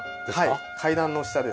はい階段の下です。